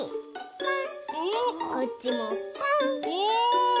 ポン！